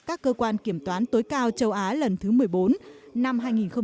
các cơ quan kiểm toán tối cao châu á lần thứ một mươi bốn năm hai nghìn hai mươi